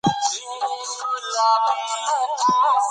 تاسو کولی شئ په خپله خوښه د واکسین په اړه پرېکړه وکړئ.